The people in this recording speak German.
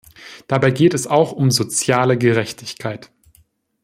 Dabei geht es auch um soziale Gerechtigkeit.